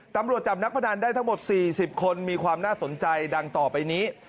ตำรวจจับนักพนันได้ทั้งหมด๔๐คนมีความน่าสนใจดังต่อไปนี้